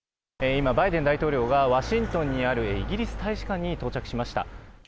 今、バイデン大統領がワシントンにあるイギリス大使館に到着しました。